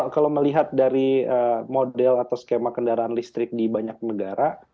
kalau melihat dari model atau skema kendaraan listrik di banyak negara